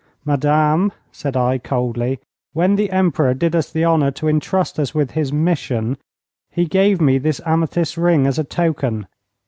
'Madame,' said I, coldly, 'when the Emperor did us the honour to intrust us with this mission, he gave me this amethyst ring as a token.